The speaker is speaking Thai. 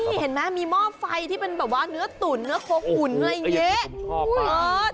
นี่เห็นมั้ยมีหม้อไฟที่เป็นแบบว่าเนื้อตุ๋นเนื้อโคหุ่นอะไรเงี้ย